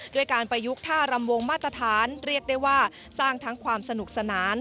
ด้วยการประยุกต์ท่ารำวงมาตรฐานเรียกได้ว่าสร้างทั้งความสนุกสนาน